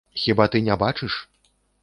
Хіба ты не бачыш?